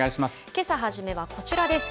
けさ初めは、こちらです。